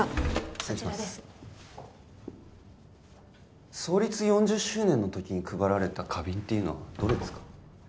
失礼します創立４０周年のときに配られた花瓶というのはどれですか？